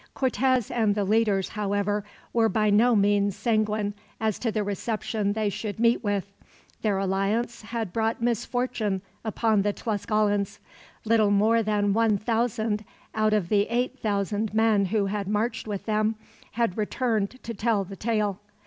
Cortez and the leaders, however, were by no means sanguine as to the reception they should meet with. Their alliance had brought misfortune upon the Tlascalans. Little more than one thousand out of the eight thousand men who had marched with them had returned to tell the tale.